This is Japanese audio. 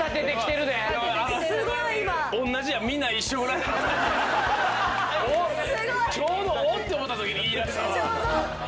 同じやちょうど「おっ！」って思った時に言いだしたわ。